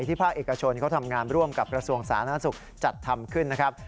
ภาคเอกชนเขาทำงานร่วมกับกระทรวงสาธารณสุขจัดทำขึ้นนะครับ